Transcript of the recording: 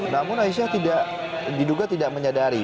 namun aisyah diduga tidak menyadari